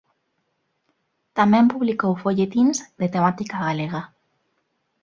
Tamén publicou folletíns de temática galega.